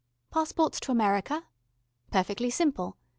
Passports to America? Perfectly simple.